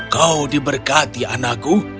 kau diberkati anakku